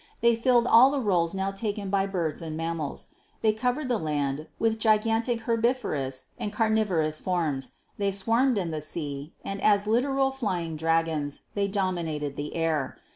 They filled all the roles now taken by birds and mammals ; they covered the land with gigantic herbivorous and carnivorous forms, they swarmed in the sea, and, as literal flying dragons, they dominated the air.